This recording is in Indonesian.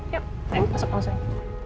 yuk masuk langsung